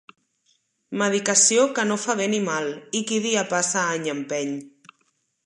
Medicació que no fa bé ni mal, i qui dia passa any empeny.